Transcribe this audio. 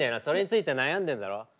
それについて悩んでんだろ？